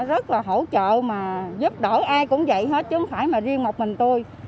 rất là hỗ trợ mà giúp đổi ai cũng vậy hết chứ không phải mà riêng một mình tôi